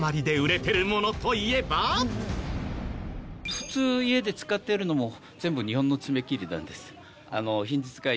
普通家で使ってるのも全部日本の爪切りなんです。